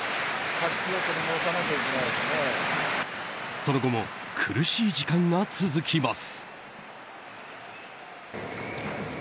その後も苦しい時間が続きます。